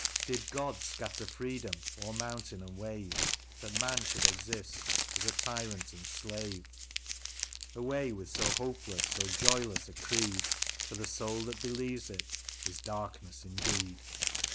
Did God scatter freedom o'er mountain and wave. That man should exist as a tyrant and slave ? Away with so hopeless, so joyless a creed, For the soul that believes it is darkened indeed